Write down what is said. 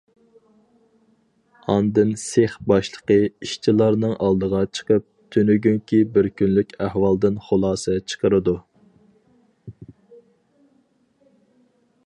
ئاندىن سېخ باشلىقى ئىشچىلارنىڭ ئالدىغا چىقىپ، تۈنۈگۈنكى بىر كۈنلۈك ئەھۋالدىن خۇلاسە چىقىرىدۇ.